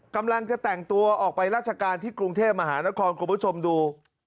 กำลังจะแต่งตัวออกไปราชการที่กรุงเทพมหานครคุณผู้ชมดู